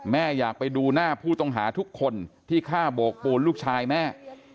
แม่อยากไปดูหน้าผู้ต้องหาทุกคนที่ฆ่าโบกปูนลูกชายแม่